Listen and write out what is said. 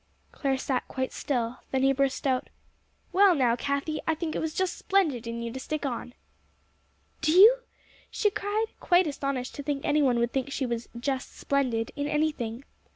Clare sat quite still. Then he burst out, "Well, now, Cathie, I think it was just splendid in you to stick on." "Do you?" she cried, quite astonished to think any one would think she was "just splendid" in anything.